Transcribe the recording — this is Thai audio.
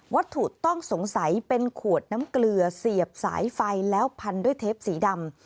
วัตถุต้องสงสัยเป็นขวดน้ำเกลือเสียบสายไฟแล้วพันด้วยเทปสีดำ